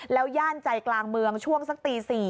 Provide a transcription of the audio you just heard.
แล้วย่านใจกลางเมืองช่วงสักตี๔